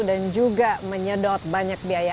dan juga menyedot banyak biaya